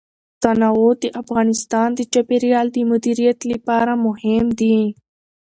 تنوع د افغانستان د چاپیریال د مدیریت لپاره مهم دي.